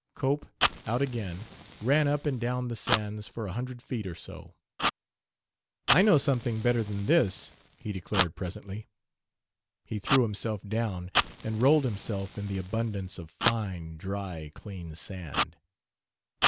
Cope, out again, ran up and down the sands for a hundred feet or so. "I know something better than this," he declared presently. He threw himself down and rolled himself in the abundance of fine, dry, clean sand.